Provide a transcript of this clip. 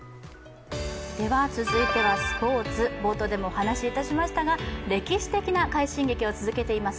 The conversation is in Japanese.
続いてはスポーツ、冒頭でもお話しいたしましたが歴史的な快進撃を続けています